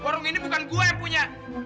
forum ini bukan gue yang punya